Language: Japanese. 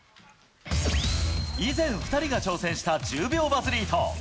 以前、２人が挑戦した１０秒バズリート。